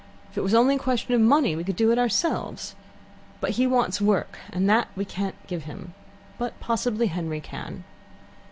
If it was only a question of money, we could do it ourselves. But he wants work, and that we can't give him, but possibly Henry can."